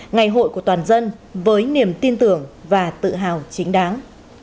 ngày hội của toàn dân với niềm tin tưởng và tự hào chính đáng